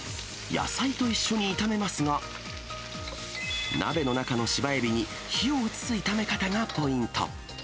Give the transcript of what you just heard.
野菜と一緒に炒めますが、鍋の中の芝エビに火を移す炒め方がポイント。